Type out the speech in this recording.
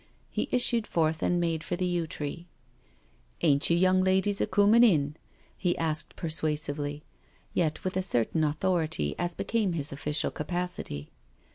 He issued forth and made for the yew tree. "Ain't you young ladies a coomin' in?" he asked persuasively, yet with a certain authority as became his official capacity.